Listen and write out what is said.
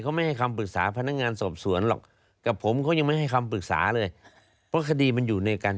เขาไม่ให้คำปรึกษาพนักงานสบสวนหรอกกับผมก็ยังไม่มีคำปรึกษาเลย